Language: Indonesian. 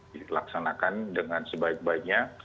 dilaksanakan dengan sebaik baiknya